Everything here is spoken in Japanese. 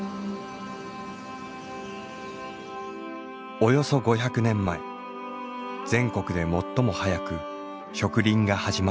およそ５００年前全国で最も早く植林が始まった吉野。